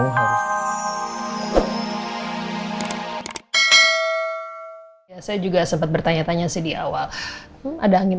hai saya juga sempat bertanya tanya sih di awal ada angin